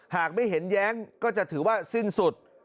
หากไม่เห็นแย้งก็จะถือว่าสิ้นสุด